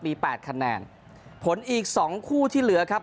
มี๘คะแนนผลอีก๒คู่ที่เหลือครับ